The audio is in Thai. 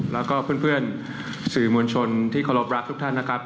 แล้วก็เพื่อนสื่อมวลชนที่เคารพรักทุกท่านนะครับ